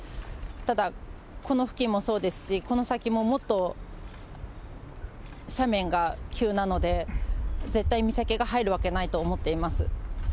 ただ、この付近もそうですし、この先ももっと斜面が急なので、絶対美咲が入るわけないと思っています。